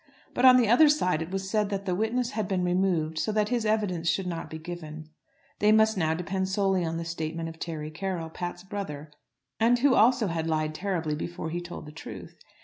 But on the other side it was said that the witness had been removed so that his evidence should not be given. They must now depend solely on the statement of Terry Carroll, Pat's brother, and who also had lied terribly before he told the truth.